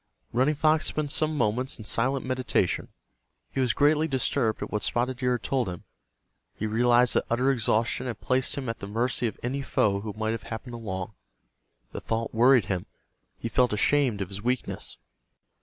Running Fox spent some moments in silent meditation. He was greatly disturbed at what Spotted Deer had told him. He realized that utter exhaustion had placed him at the mercy of any foe who might have happened along. The thought worried him. He felt ashamed of his weakness.